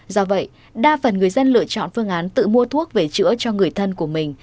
do vậy đa phần người dân lựa chọn phương án tự mua thuốc về chữa cho người thân của mình